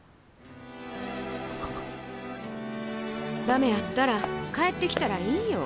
駄目やったら帰ってきたらいいんよ。